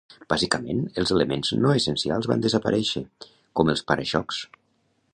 Bàsicament, els elements no essencials van desaparèixer, com els para-xocs.